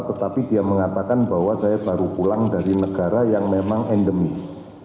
tetapi dia mengatakan bahwa saya baru pulang dari negara yang memang endemis